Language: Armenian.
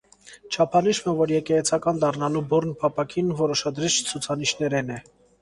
Չափանիշ մը, որ եկեղեցական դառնալու բուռն փափաքին որոշադրիչ ցուցանիշներէն է։